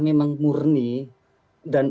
memang murni dan